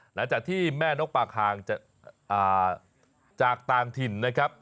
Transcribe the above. หลังจากที่แม่นกปากคางจากต่างถิ่นนะครับ